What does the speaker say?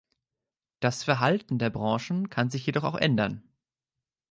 Das Verhalten der Branchen kann sich jedoch auch ändern.